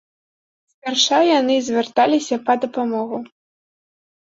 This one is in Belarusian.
Спярша яны звярталіся па дапамогу.